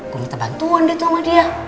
gue minta bantuan dia tuh sama dia